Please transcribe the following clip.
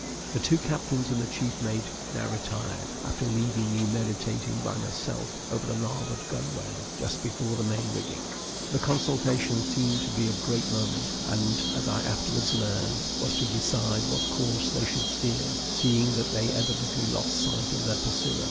The two captains and the chief mate now retired, after leaving me meditating by myself over the larboard gunwale, just before the main rigging. The consultation seemed to be of great moment; and, as I afterwards learned, was to decide what course they should steer, seeing that they evidently lost sight of their pursuer.